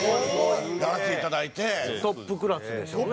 トップクラスでしょうね。